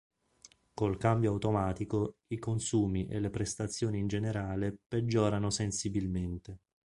Col cambio automatico i consumi e le prestazioni in generale peggiorano sensibilmente.